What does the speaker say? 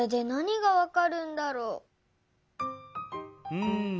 うん。